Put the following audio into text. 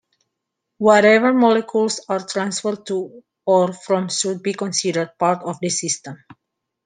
Whatever molecules are transferred to or from should be considered part of the "system".